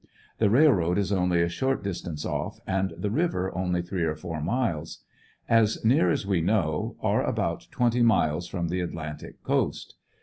The railroad is only a short distance off, and the river only three or four miles. As near as we know, are about twenty miles from the Atlantic coast.